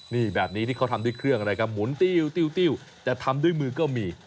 นี่แบบนี้ที่เขาทำด้วยเครื่องอะไรครับหมุนติ้วติ้วจะทำด้วยมือก็มี